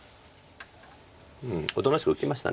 おとなしく受けました